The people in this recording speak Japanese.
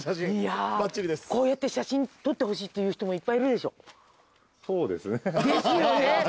こうやって写真撮ってほしいっていう人もいっぱいいるでしょ。ですよね。